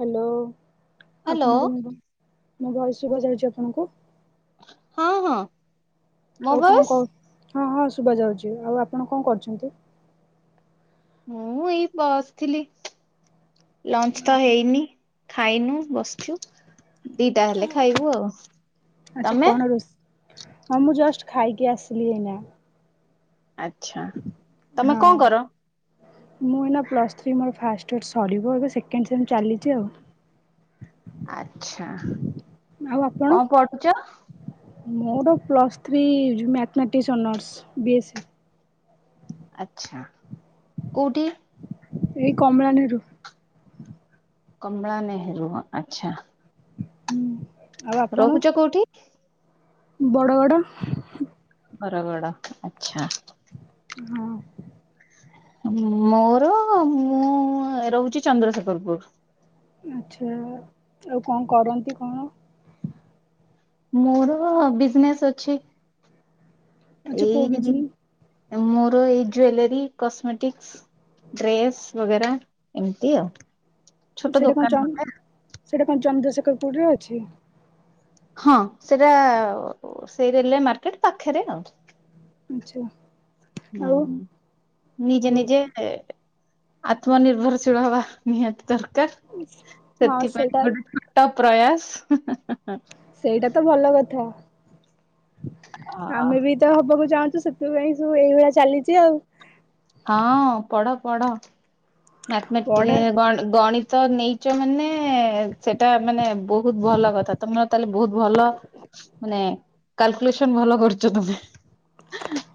Hello hello ଆପଣଙ୍କୁ ମୁଁ ମୋ ଭଏସ୍ ଶୁଭା ଯାଉଚି ଆପଣଙ୍କୁ? ହଁ ହଁ। ମୋ ଆଉ କଣ ଭଏସ୍ କ ହଁ ହଁ ଶୁଭା ଯାଉଛି ଆଉ ଆପଣ କଣ କରୁଛନ୍ତି? ମୁଁ ଏଇ ବସଥିଲି। ଲଞ୍ଚ୍ ତ ହେଇନି। ଖାଇନୁ ବସଛୁ। ଦିଟା ହେଲେ ଖାଇବୁ ଆଉ। ଆଚ୍ଛା ତମେ କଣ ରୋଷ୍? ହଁ ମୁଁ ଜଷ୍ଟ ଖାଇକି ଆସିଲି ଏଇନା। ଆଛା ତମେ ହଁ। କଁ କର? ମୁଁ ଏଇନା ପ୍ଲସ୍ ଥ୍ରୀ ମୋର ଫାଷ୍ଟ ଇୟର୍ ସରିବ ଏବେ ସେକେଣ୍ଡ ସେମ୍ ଚାଲିଚି ଆଉ। ଆଚ୍ଛା। ଆଉ ଆପଣ? କଣ ପଢୁଛ ମୋର plus three mathematics honours B S C. ଆଚ୍ଛା କୋଉଠି? ଏଇ କମଳା ନେହେରୁ। ହୁଁ କମଳା ନେହେରୁ ଅ ଆଚ୍ଛା। ହୁଁ। ରହୁଚ କୋଉଠି? ବଡ଼ଗଡ। ବରଗଡ ଆଚ୍ଛା। ହଁ। ମୋର ମୁଁ ରହୁଚି ଚନ୍ଦ୍ରଶେଖରପୁର। ଆଚ୍ଛା ଆଉ କଣ କରନ୍ତି କଣ? ମୋର ବିଜନେସ୍ ଅଛି ଆଚ୍ଛା କୋଉ ଏଇ ବିଜନେସ୍ ମୋର ଏଇ ଜ୍ବେଲେରୀ କସମେଟିକସ୍। ଡ୍ରେସ୍ ବଗେରା ଏମତି ଆଉ। ଛୋଟ ସେଇଟା କଣ ଦୋକାନ ଗୋଟେ ଚନ୍ଦ ସେଇଟା କଣ ଚନ୍ଦ୍ରଶେଖର ପୁରରେ ଅଛି? ହଁ ସେଟା ସେଇ ରେଲୱେ ମାର୍କେଟ ପାଖରେ ଆଉ। ଆଛା ହୁଁ ନିଜେ ଆଉ ନିଜେ ଆତ୍ମନିର୍ଭରଶୀଳ ହବା ନିହାତି ଦରକାର ହଁ ସେଥିପାଇଁ ସେଇଟା ଗୋଟେ ଛୋ ଟ ପ୍ରୟାସ। ସେଇଟା ତ ଭଲ କଥା। ଅ ଆମେ ବି ତ ହବାକୁ ଚାହୁଁଚୁ ସେଥିପାଇଁ ସବୁ ଏଇଭଳିଆ ଚାଲିଚି ଆଉ। ହଁ ପଢ ପଢ ମ୍ୟାଥ୍ ମେଟି ପଢା ଗଣ ଗଣିତ ନେଇି ଚ ମାନେ ସେଟା ମାନେ ବହୁତ ଭଲ କଥା ତମର ତାହେଲେ ବୋହୁତ ଭଲ ମାନେ କାଲକୁଲେସନ୍ ଭଲ କରୁଚ ତମେ।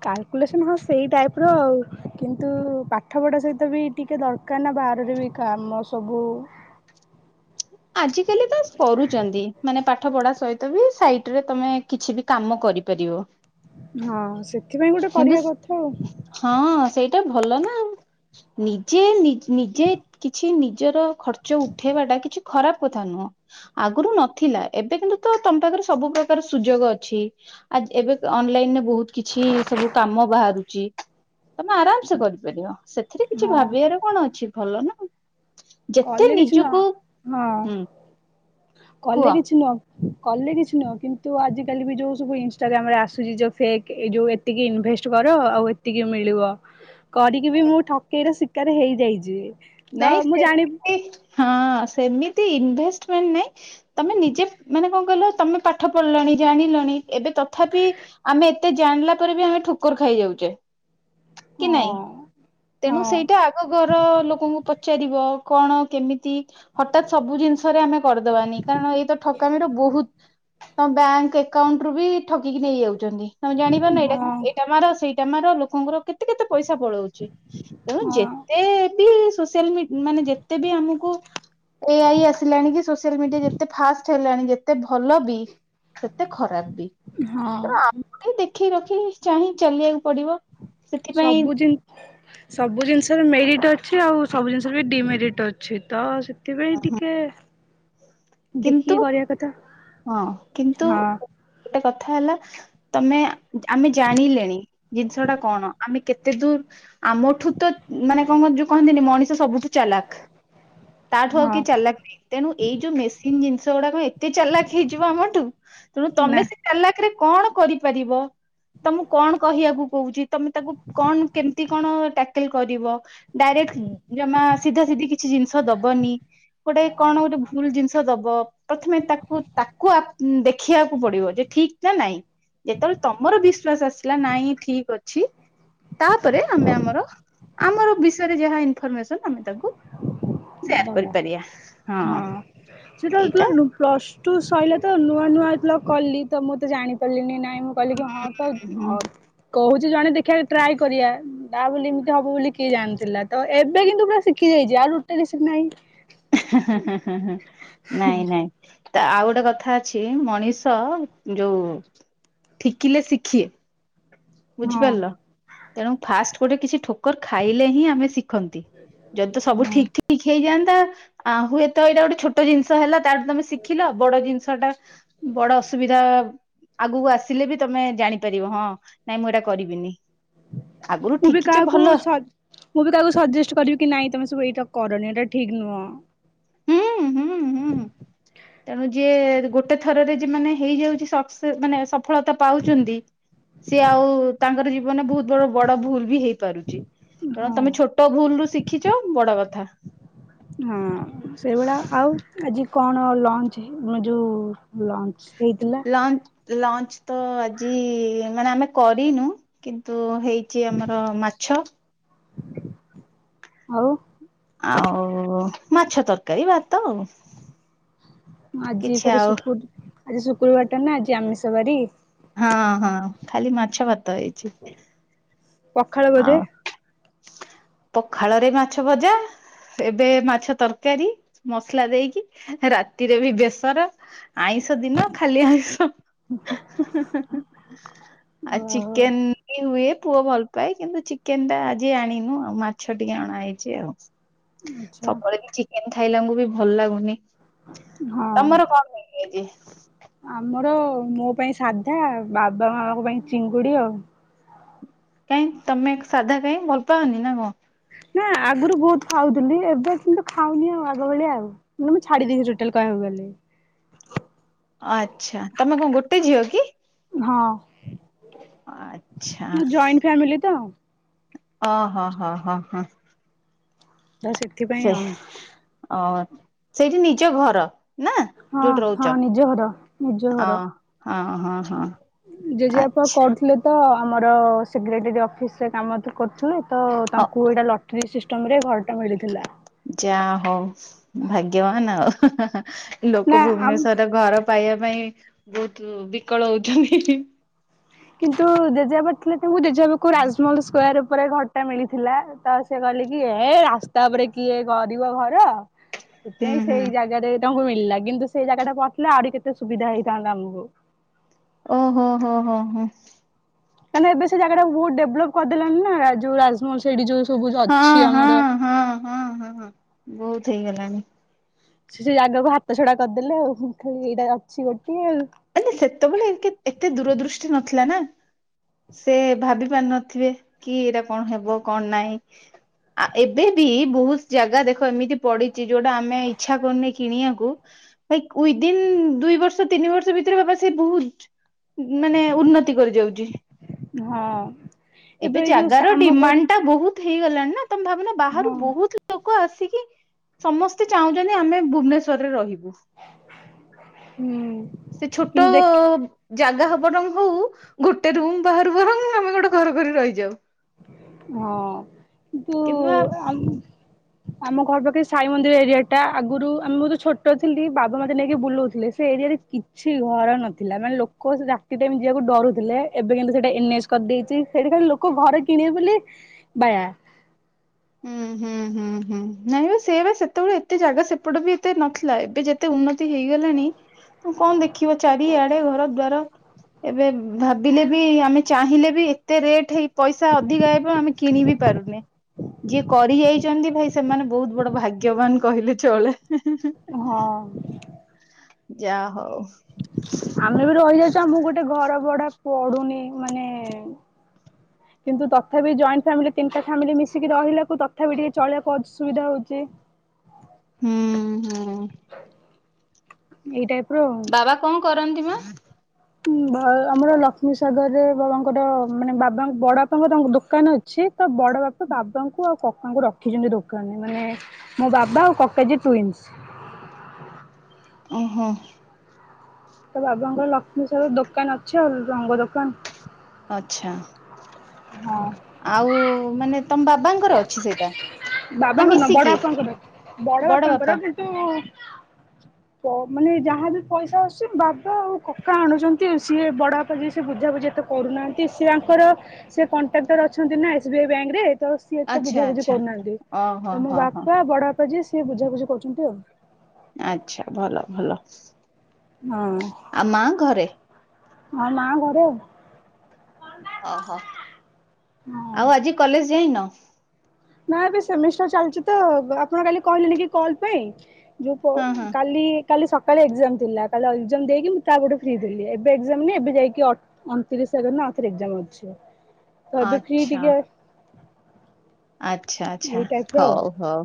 କାଲକୁଲେସନ୍ ହଁ ସେଇ ଟାଇପ୍ ର ଆଉ କିନ୍ତୁ ପାଠ ପଢ଼ା ସହିତ ବି ଟିକେ ଦରକାର ନା ବାହାରରେ ବି କାମ ସବୁ ଆଜିକାଲି ତ ସରୁଚନ୍ତି ମାନେ ପାଠ ପଢା ସହିତ ବି ସାଇଟ୍ ରେ ତମେ କିଛି ବି କାମ କରିପାରିବ। ହଁ ସେଥିପାଇଁ ଗୋଟେ କିନ୍ତୁ କରିବା କଥା ଆଉ। ହଁ ସେଇଟା ଭଲ ନା ନିଜେ ନିଜ୍ ନିଜେ କିଛି ନିଜର ଖର୍ଚ୍ଚ ଉଠେଇବା ଟା କିଛି ଖରାପ କଥା ନୁହଁ। ଆଗୁରୁ ନଥିଲା ଏବେ କିନ୍ତୁ ତ ତମ ପାଖରେ ସବୁ ପ୍ରକାର ସୁଯୋଗ ଅଛି। ଆଜ୍ ଏବେ ଅନଲାଇନ୍ ରେ ବୋହୁତ କିଛ ଛି ସବୁ କାମ ବାହାରୁଚି ତମେ ଆରାମ ସେ କରିପାରିବ ସେଥିରେ କିଛି ହଁ ଭାବିବାର କଣ ଅଛି ଭଲ ନା। ଯେତେ କଲେ କିଛି ନୁହ ନିଜକୁ ହଁ ହୁଁ କଲେ କୁହ କିଛି ନୁହଁ କଲେ କିଛି ନୁହଁ କିନ୍ତୁ ଆଜିିକାଲି ବି ଯୋଉ ସବୁ ଇନଷ୍ଟଟାଗ୍ରାମ ରେ ଆସୁଚି ଯୋଉ ଫେକ୍ ଏଇ ଯୋଉ ଏ ତିକି ଇନଭେଷ୍ଟ କର ଆଉ ଏତିକି ମିଳିବ। କରିକି ବି ମୁଁ ଠକେଇ ର ଶିକାର ହେଇଯାଇଚି। ନାଇଁ ସେମତି ହଁ ସେମିତି ଇନଭେଷ୍ଟମେଣ୍ଟ ନାଇଁ ତମେ ନିଜେ ମାନେ କଣ କହିଲ ତମେ ପାଠ ପଢିଲଣି ଜାଣିଲଣି ଏବେ ତଥାପି ଆମେ ଏତେ ଜାଣିଲା ପରେ ବି ଆମେ ଠୋକର ଖାଇଯାଉଚେ। କି ହଁ ନାଇଁ ହଁ ତେଣୁ ସେଇଟା ଆଗ ଘର ଲୋକଙ୍କୁ ପଚାରିବ କଣ କେମିତି ହଠାତ୍ ସବୁ ଜିନିଷରେ ଆମେ କରଦବାନି କାରଣ ଏଇତ ଠକାମିର ବୋହୁତ ତମ ବ୍ୟାଙ୍କ ଏକାଉଣ୍ଟ ରୁ ବି ଠକିକି ନେଇ ଯାଉଛନ୍ତି। ତମେ ଜାଣିପାରନ ଏଇଟା ହଁ ଏଇଟା ମାର ସେଇଟାମ ର ଲୋକଙ୍କର କେତ ତେ କେତେ ପଇସା ପଳଉଛି ତେଣୁ ହଁ ଯେତେ ବି ସୋସିଆଲ ମିଡ୍ ମାନେ ଯେତେବି ଆମକୁ ଏଆଇ ଆସିଲାଣି କି ସୋସିଆଲ ମିଡିଆ ଯେତେ ଫାଷ୍ଟ୍ ହେଲାଣି ଯେତେ ଭଲ ବି ସେତେ ଖରାପ ବି। ହଁ ଆସୁଛୁ ଟିକେ ଦେଖି ରଖି ଚାହିଁ ଚଲେଇବାକୁ ପଡିବ। ସେଥିପାଇଁ ସବୁ ଜିନ୍ ସବୁ ଜିନିଷରେ ମେରିଟ୍ ଅଛି ଆଉ ସବୁ ଜିନିଷରେ ବି ଡିମେରିଟ୍ ଅଛି। ତ ଥିପାଇଁ ଟିକେ କିନ୍ତୁ ଦେଖିକି କରିବା କଥା ହଁ କିନ୍ତୁ ହଁ ଗୋଟେ କଥା ହେଲା ତମେ ଆମେ ଜାଣିଲେଣି ଜିନିଷ ଟା କଣ। ଆମେ କେତେ ଦୂର୍ ଆମଠୁ ତ ମାନେ କଣ ମ ଯୋଉ କହନ୍ତିନି ମଣିଷ ସବୁଠୁ ଚାଲାକ ତାଠୁ ଆଉ ହଁ କିଏ ଚାଲାକ ନାଇଁ। ତେଣୁ ଏଇ ଯୋଉ ମେସିନ ଜିନିଷ ଗୁଡାକ ଏତେ ଚାଲାକ ହେଇଯିବ ଆମଠୁ ତେଣୁ ନା ତମେ ସେ ଚାଲାକରେ କଣ କରିପାରିବ। ତମକୁ କଣ କହିବାକୁ କହୁଛି ତମେ ତାକୁ କଣ କେମତି କଣ ଟାକଲ କରିବ। ଡାଇରେକ୍ଟ ଜମା ସିଧା ସିଧି କିଛି ଜିନିଷ ଦବନି ଗୋଟେ କଣ ଗୋଟେ ଭୁଲ ଜିନିଷ ଦବ ପ୍ରଥମେ ତାକୁ ତାକୁ ଦେଖିବାକୁ ପଡିବ ଯେ ଠିକ ନା ନାଇଁ। ଯେତେବେଳେ ତମର ବିଶ୍ଵାସ ଆସିଲା ନାଇଁ ଠିକ ଅଛି। ତାପରେ ଆମେ ଆମର ଆମର ବିଷୟରେ ଯାହା ଇନଫରମେସନ ଆମେ ତାଙ୍କୁ ସୋର ବାବା କରିପାରିବା ହଁ। [unintelligible] ଏଇଟା ପ୍ଲସ୍ ଟୁ ସଇଲା ତ ନୂଆ ନୂଆ ପ୍ଲଗ କଲି ତ ମୁଁ ତ ଜାଣିପାରିଲିନି ନାଇଁ ମୁଁ କହିଲି କି ହଁ ତ ଅ କହୁଛି ଜଣେ ଦେଖିଆ ଟ୍ରାଏ କରିବା। ତା ବୋଲି ଏମିତି ହବ ବୋଲି କିଏ ଜାଣିଥିଲା ତ ଏବେ କିନ୍ତୁ ପୁରା ଶିଖି ଯାଇଛି ଆଉ ଲୁଟେରୀ ଶିଖ ନାହିଁ। ନାଇଁ ନାଇଁ। ତ ଆଉ ଗୋଟେ କଥା ଅଛି ମଣିଷ ଯୋଉ ଠିକିଲେ ଶିଖେ। ହଁ। ବୁଝିପାରିଲ ତେଣୁ ଫାଷ୍ଟ ଗୋଟେ କିଛି ଠୋକ ଠୁକୁର ଖାଇଲେ ହିଁ ଆମେ ଶିଖନ୍ତି ଯଦି ତ ସବୁ ହଁ ଠିକ ଠିକ ହେଇଯାଆନ୍ତା ଆ ହୁଏତ ଏଟା ଗୋଟେ ଛୋଟ ଜିନିଷ ତ ହେଲା ତାଠୁ ତମେ ଶିଖିଲ ବଡ ଜିନିଷ ଟା ବଡ ଅସୁବିଧା ଆଗକୁ ଆସିଲେ ବି ତମେ ଜାଣିପାରିବ ହଁ ନାଇଁ ମୁଁ ଏଇଟା କରିବିନି। ଆଗରୁ ମୁଁ ବି ଠିକିଛ କାହାକୁ ଭଲ ସ ମୁଁ ବି କାହାକୁ ସଜେଷ୍ଟ କରିବି କି ନାଇଁ ତମ ସବୁ ଏଇଟା କରନି ଏଇଟା ଠିକ ନୁହଁ। ହୁଁ ହୁଁ ହୁଁ। ତେଣୁ ଯିଏ ଗୋଟେ ଥରରେ ଯେ ମାନେ ହେଇଯାଉଛି ସକ୍ସେ ମାନେ ସପ ସଫଳତା ପାଉଛନ୍ତି ସିଏ ଆଉ ତାଙ୍କର ଜୀବନରେ ବହୁତ ବଡ ବଡ ଭୁଲ ବି ହେଇପାରୁଛି। ତେଣୁ ହଁ। ତମେ ଛୋଟ ଭୁଲରୁୁ ଶିଖିଛ ବଡ କଥା। ହଁ ସେଇଭଳିଆ ଆଉ ଆଜି କଣ ଲଞ୍ଚ ହେ ଯୋଉ ଲଞ୍ଚ ହେଇଥିଲା। ଲଞ୍ଚ ଲଞ୍ଚ ତ ଆଜି ମାନେ ଆମେ କରିନୁ। କିନ୍ତୁ ହେଇଛି ଆମର ମାଛ। ଆଉ। ଆଉ ମାଛ ତରକାରୀ ଭାତ ଆଉ। ଆଜି କିଛି ଫେରେ ଆଉ ଶୁକୁର ଆଜି ଶୁକ୍ରବାରଟା ନା ଆଜି ଆମିଷ ବାରି। ହଁ ହଁ ଖାଲି ମାଛ ଭାତ ହେଇଛି। ପଖଳ ବୋଧେ। ପଖାଳ ରେ ମାଛ ଭଜା। ଏବେ ମାଛ ତରକାରୀ ମସଲା ଦେଇକି ରାତିରେ ବି ବେସର। ଆଇଁଷ ଦିନ ଖାଲି ଆଇଁଷ। ଆଉ ଓହୋ ଚିକେନ ବି ହୁଏ ପୁଅ ଭଲ ପାଇ କିନ୍ତୁ ଚିକେନ ଟା ଆଜି ଆଣିନୁ ଆଉ ମାଛ ଟିକେ ଅଣା ହେଇଛି ଆଉ। ଆଚ୍ଛା ସବୁବେଳେ ବି ଚିକେନ ଖାଇଲେ ଆମକୁ ବି ଭଲ ଲାଗୁନି। ହଁ। ତମର କଣ ହେଇଛି ଆଜି ଆମର ମୋ ପାଇଁ ସାଧା ବାବା ମାଙ୍କ ପାଇଁ ଚିଙ୍ଗୁଡି ଆଉ। କାଇଁ ତମେ ସାଧା କାଇଁ ଭଲ ପାଅନି ନା କଣ। ନା ଆଗରୁ ବହୁତ ଖାଉଥିଲି ଏବେ କିନ୍ତୁ ଖାଉନି ଆଉ ଆଗ ଭଳିଆ ଆଉ। ମାନେ ମୁଁ ଛାଡି ଦେଇଛି ଟୋଟାଲ କହିବାକୁ ଗଲେ। ଆଛା ତମେ କଣ ଗୋଟେ ଝିଅ କି। ହଁ ଆଚ୍ଛା ଜଏଣ୍ଟ ମୁଁ ଫ୍ୟାମିଲି ତ। ଓ ହୋ ହ ହଁ ହଁ। ବସେ ସେଇ ସେଇଠି ନିଜ ଘର। ନା ହଁ ଯୋଉଠି ହଁ ରହୁଛ ନିଜ ଘର ନିଜ ଅ ଘର। ହ ହଁ ହଁ। ଜେଜେବାପା ଆଚ୍ଛା କରୁଥିଲେ ତ ଆମର ସେକ୍ରେଟେରୀ ଅଫିସ ରେ କାମ କରୁଥିଲେ। ତ ଅ ତାଙ୍କୁ ଏଇଟା ଲଟେରୀ ସିଷ୍ଟମ ରେ ଘରଟା ମିଳିଥିଲା। ଯାହା ହଉ ଭାଗ୍ୟବାନ ଆଉ ନା ଲୋକ ଆମ ଭୁବନେଶ୍ଵର ଘର ପାଇବା ପାଇଁ ବହୁତ ବିକଳ ହଉଛନ୍ତି। କିନ୍ତୁ ଜେଜେବା ଥିଲେ ତାଙ୍କୁ ଜେବାକୁ ରାଜମହଲ ସ୍କ୍ୟାର ଉପରେ ଘରଟା ମିଳିଥିଲା ତ ସେ କହିଲେ କି ଏ ରାସ୍ତା ଉପରେ କିଏ କରିବ ଘର। ହୁଁ ସେଥିପାଇଁ ହୁଁ ସେଇ ଜାଗାରେ ତାଙ୍କୁ ମିଳିଲା। କିନ୍ତୁ ସେଇ ଜାଗା ଟା ପଡ଼ିଥିଲେ ଆହୁରି କେତେ ସୁବିଧା ହେଇଥାନ୍ତା ଆମକୁ। ଓହୋ ହୋ ହୋ ହୋ ହୁଁ। କାଁ ଏବେ ସେ ଜାଗା ବହୁତ ଡେଭଲପ କରିଦେଲାନଣି ନା ଯୋଉ ରାଜମହଲ ସେଠି ଯୋଉ ସବୁ ହଁ ଅଛି ହଁ ଆମର। ହଁ ହଁ ହଁ ବହୁତ ହେଇଗଲାଣି। ସେ ସେ ଜାଗାକୁ ହାତ ଛଡା କରିଦେଲେ ଆଉ ମୁଁ ଖାଲି ଏଇଟା ଅଛି ଗୋଟିଏ ଆଉ। ଆ ସେତେବେଳେ ଏତେ ଦୂରଦୃଷ୍ଟି ନଥିଲା ନା। ସେ ଭାବି ପାରି ନଥିବେ କି ଏଇଟା କଣ ହେବ କଣ ନାାଇଁ। ଆ ଏବେ ବି ବହୁତ ଜାଗା ଦେଖ ଏମିତି ପଡିଛି ଯୋଉଟା ଆମେ ଇଚ୍ଛା କରୁନେ କିଣିବାକୁ ଭାଇ ୟୁଦିନ ଦୁଇ ବର୍ଷ ତିନି ବର୍ଷ ଭିତରେ ବାବା ସେ ବହୁତୁ ମାନେ ଉନ୍ନତି କରି ଯାଉଛି ହଁ ଏବେ ଏଇ ଯୋଉ ଜାଗାର ଆମ ଘ ଡିମାଣ୍ଡ ଟା ବହୁତୁ ହେଇଗଲାଣି ନା ତମେ ଭାବୁନ ବାହାରୁ ହଁ ବହୁତୁ ଲୋକ ଆସିକି ସମସ୍ତେ ଚାହୁଁଛନ୍ତି ଆମେ ଭୁବନେଶ୍ଵରରେ ରହିବୁ। ହୁଁ। ସେ ଛୋଟ କିନ୍ତୁ ଦେଖ ଜାଗା ହ ବରଂ ହଉ ଗୋଟେ ରୁମ ବାହାରୁ ବରଂ ଆମେ ଗୋଟେ ଘର କରି ରହିଯାଉ। ହଁ ବୁ କେନୁ ଆ ଆମ ଘର ପାଖରେ ସାଇ ମନ୍ଦିର ଏରିଆ ଟା ଆଗରୁ ଆମେ ବହୁତ ଛୋଟ ଥିଲି ବାବା ମତେ ନେଇକି ବୁଲଉଥିଲେ ସେ ଏରିଆରେ। କିଛି ଘର ନଥିଲା ମାନେ ଲୋକ ସେ ରାତି ଟାଇମ୍ ଯିବାକୁ ଡରୁଥିଲେ ଏବେ କିନ୍ତୁ ସେଟା କିନ୍ତୁ ଏନ ଏସ କରିଦେଇଛି ସେଇଠି ଲୋକ ଘରେ କିଣିବେ ବୋଲି ବାୟା। ହୁଁ ହୁଁ ହୁଁ ହୁଁ ନାଇଁ ବା ସେ ବା ସେତେବେଳେ ଏତେ ଜାଗା ସେପଟ ବି ଏତେ ନଥିଲା ଏବେ ଯେ ଏତେ ଉନ୍ନତି ହେଇଗଲାଣି ତ କଣ ଦେଖିବ ଚାରିଆଡେ ଘର ଦ୍ୱାର। ଏବେ ଭାବିଲେ ବି ଆମେ ଚାହିଁଲେ ବି ଏତେ ରେଟ ହେଇ ପଇସା ଅଧିକା ହେବ ଆମେ କିଣିବି ପରୁନେ ଯିଏ କରି ଯାଇଛନ୍ତି ଭାଇ ସେମାନେ ବହୁତ ବଡ ଭାଗ୍ୟବାନ କହିଲେ ଚଳେ। ହଁ। ଯାହା ହଉ। ଆମେ ବି ରହିଯାଉଛୁ ଆମକୁ ଗୋଟେ ଘର ବଢା ପଡୁନି ମାନେ [inaudible] କିନ୍ତୁ ତଥାପି ଜଏଣ୍ଟ ଫାମିଲି ତିନିଟା ଫ୍ୟାମିଲି ମିଶିକି ରହିଲାକୁ ତଥାପି ଟିକେ ଚାଲିବା କୁ ଅସୁବିଧା ହଉଛି। ହୁଁ ହୁଁ। ଏଇ ଟାଇପ ର ଆଉ। ବାବା କଣ କରନ୍ତି ମ? ହଁ ଭ ଆମର ଲକ୍ଷ୍ମୀ ସାଗର ରେ ବାବା ଙ୍କ ର ମାନେ ବାବା ବଡ ବାପାଙ୍କର ତାଙ୍କ ଦୋକାନ ଅଛି। ସେ ତ ବଡ ବାପା ବାବାଙ୍କୁ ଆଉ କକାଙ୍କୁ ରଖିଛନ୍ତି ଦୋକାନରେ ମାନେ ମୋ ବାବା ଆଉ କକା ଯିଏ ଟୁଇନ୍ସି। ଓହୋ। ତ ବାବାଙ୍କର ଲକ୍ଷ୍ମୀ ସାଗର ଦୋକାନ ଅଛି ଆଉ ରଙ୍ଗ ଦୋକାନ। ଆଛା। ହଁ। ଆଉ ମାନେ ତମ ବାବାଙ୍କର ଅଛି ସେଇଟା? ନା ବାବାଙ୍କର ନୁହଁ ବଡ ମିଶିକି ବାପାଙ୍କର ବଡ ବାପା? ତ ମାନେ ଯାହାବି ପଇସା ଅସୁଛି ବାବା ଆଉ କକା ଆଣୁଛନ୍ତି ସିଏ ବଡ ବାପା ଯିଏ ସେ ବୁଝା ବୁଝି ଏତେ କରୁନାହାଁନ୍ତି ସେ ୟାଙ୍କର ସେ କଣ୍ଟ୍ରାକ୍ଟର ଅଛନ୍ତି ନା ଏସ୍ ବି ଆଇ ବ୍ୟାଙ୍କ ରେ ତ ସିଏ ଏତେ ଆଚ୍ଛା ବୁଝାବୁଝି ଆଚ୍ଛା କରୁନାହାଁନ୍ତି ଓହୋ ତ ମୋ ହୋ ହୋ ବାପା ବଡ ବାପା ଯିଏ ସିଏ ବୁଝାବୁଝି କରୁଛନ୍ତି ଆଉ। ଆଛା ଭଲ ଭଲ। ହଁ। ଆ ମା ଘରେ? ହଁ ମା ଘରେ ଆଉ। ଅ ହ ହଁ। ଆଉ ଆଜି କଲେଜ ଯାଇନ? ନା ଏବେ ସେମିଷ୍ଟାର ଚାଲିଛି ତ ଆପଣ କାଲି କହିଲେନ କି କଲ ପାଇଁ? ଯଉଁ ପ ହଁ ହଁ କାଲି କାଲି ସକାଳେ ଏକ୍ଜାମ ଥିଲା କାଲି ଏକ୍ଜାମ ଦେଇକି ମୁଁ ତାପଟେ ଫ୍ରି ଥିଲି ଏବେ ଏକ୍ସାମ ନାଇଁ ଏବେ ଯାଇକି ଅ ଅଣତିରିଶ ତାରିଖ ଦିନ ଆଉ ଥରେ ଏକ୍ସାମ୍ ଅଛି ତ ଏବେ ଫ୍ରି ଆଚ୍ଛା ଟିକେ ଆଛା ଆଛା ଏଇ ଟାଇପର ଆଉ ହଉ ହଉ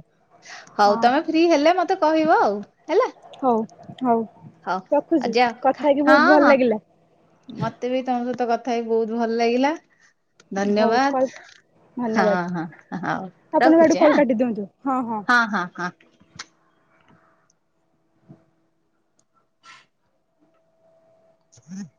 ହଉ ହଁ ତମେ ଫ୍ରି ହେଲେ ମତେ କହିବ ଆଉ ହେଲା। ହଉ ହଉ ହଉ ଆଉ ରଖୁଛିୁ ଯାଅ ଖା କଥା ହେଇକି ହଁ ବହୁତ ଭଲ ହଁ ଲାଗିଲା। ମତେ ବି ତମ ସହିତ କଥା ହେଇକି ବହୁତ ଭଲ ଲାଗିଲା ହଉ କଲ୍ ଧନ୍ୟବାଦ। ଧନ୍ୟବାଦ ହଁ ହଁ ହଉ ଆପଣଙ୍କ ଆଡୁ ରଖୁଛି କଲ୍ ଆଁ କାଟି ଦିଅନ୍ତୁ ହଁ ହଁ ହଁ। [inaudible]